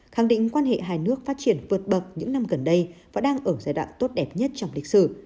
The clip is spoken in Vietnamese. khẳng định quan hệ hai nước phát triển vượt bậc những năm gần đây và đang ở giai đoạn tốt đẹp nhất trong lịch sử